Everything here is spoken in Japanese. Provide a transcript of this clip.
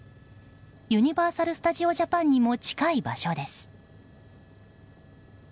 ユニバーサル・スタジオ・ジャパンにも近い場所です。